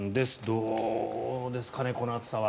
どうですかね、この暑さは。